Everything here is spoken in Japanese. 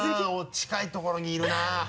近いところにいるなぁ。